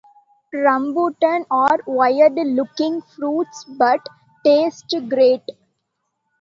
Rambutan are weird looking fruits but taste great.